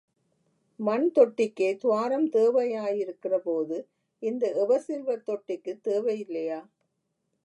மண் தொட்டிக்கே துவாரம் தேவையாயிருக்கிற போது, இந்த எவர் சில்வர் தொட்டிக்குத் தேவையில்லையா?